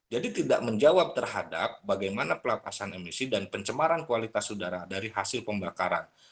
jadi tidak menjawab terhadap bagaimana pelapasan emisi dan pencemaran kualitas udara dari hasil pembakaran